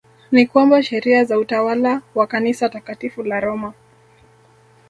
Ni kwamba sheria za utawala wa kanisa Takatifu la Roma